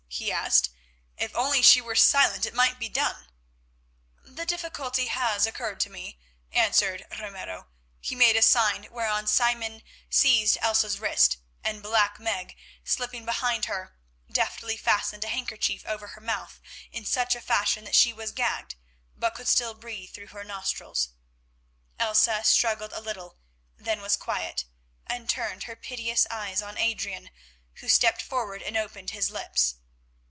he asked. "If only she were silent it might be done——" "The difficulty has occurred to me," answered Ramiro. He made a sign, whereon Simon seized Elsa's wrists, and Black Meg, slipping behind her, deftly fastened a handkerchief over her mouth in such fashion that she was gagged, but could still breathe through the nostrils. Elsa struggled a little, then was quiet, and turned her piteous eyes on Adrian, who stepped forward and opened his lips.